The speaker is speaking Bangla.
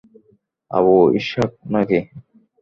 আবু ইসহাক নাকি?